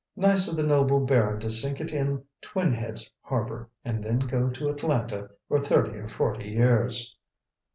Nice of the noble baron to sink it in Twin Heads Harbor, and then go to Atlanta for thirty or forty years!"